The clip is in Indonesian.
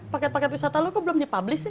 paket paket wisata lo kok belum di publish sih